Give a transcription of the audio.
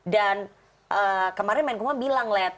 dan kemarin menkumham bilang leth